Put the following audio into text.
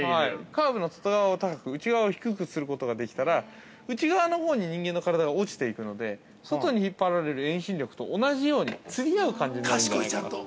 ◆カーブの外側を高く内側を低くすることができたら内側のほうに人間の体が落ちていくので外に引っ張られる遠心力と同じように釣り合う感じになるんじゃないかなと。